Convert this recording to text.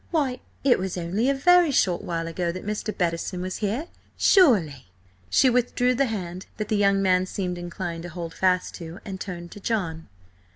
"Why, it was only a very short while ago that Mr. Bettison was here, surely!" She withdrew the hand that the young man seemed inclined to hold fast to, and turned to John.